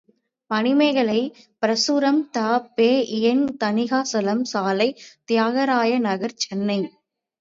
மணிமேகலைப் பிரசுரம் த.பெ.எண் தணிகாசலம் சாலை, தியாகராய நகர், சென்னை